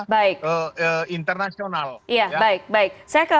dan juga untuk